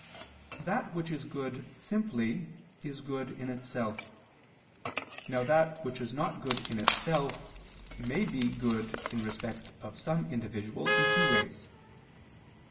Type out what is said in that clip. That which is good simply, is good in itself. Now that which is not good in itself, may be good in respect of some individual in two ways.